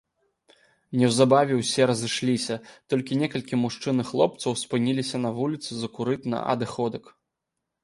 Неўзабаве ўсе разышліся, толькі некалькі мужчын і хлопцаў спыніліся на вуліцы закурыць на адыходак.